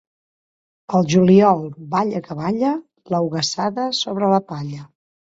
Pel juliol, balla que balla, l'eugassada sobre la palla.